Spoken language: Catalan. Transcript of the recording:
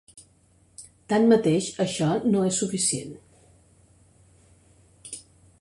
Tanmateix, això no és suficient.